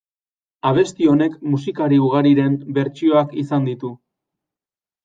Abesti honek musikari ugariren bertsioak izan ditu.